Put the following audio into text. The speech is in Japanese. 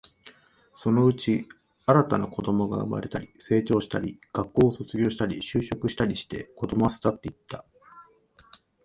そのうち、新たな子供が生まれたり、成長したり、学校を卒業したり、就職したりして、子供は巣立っていった